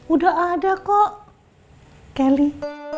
udah ada kok kelly